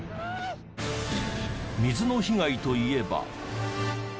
水の被害といえば。